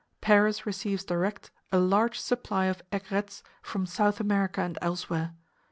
Paris receives direct a large supply of aigrettes from South America and elsewhere.